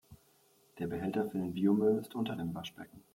Der Behälter für den Biomüll ist unter dem Waschbecken.